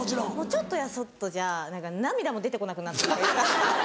ちょっとやそっとじゃ涙も出てこなくなるっていうか。